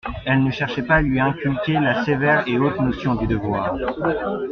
Elle ne cherchait pas à lui inculquer la sévère et haute notion du devoir.